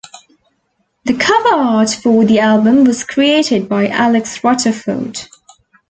The cover art for the album was created by Alex Rutterford.